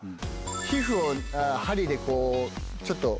皮膚を針でちょっと。